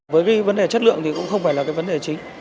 với cái vấn đề chất lượng thì cũng không phải là cái vấn đề chính